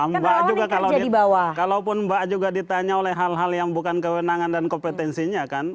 mbak juga kalaupun mbak juga ditanya oleh hal hal yang bukan kewenangan dan kompetensinya kan